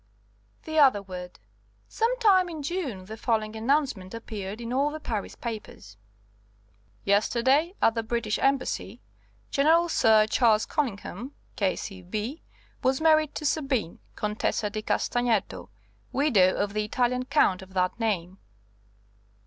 The other word. Some time in June the following announcement appeared in all the Paris papers: "Yesterday, at the British Embassy, General Sir Charles Collingham, K. C. B., was married to Sabine, Contessa di Castagneto, widow of the Italian Count of that name."